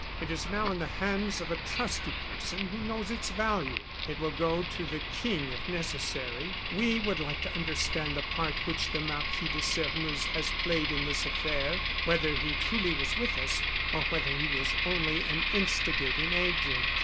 "It is now in the hands of a trusty person, who knows its value. It will go to the King if necessary. We would like to understand the part which the Marquis de Sairmeuse has played in this affair whether he was truly with us, or whether he was only an instigating agent."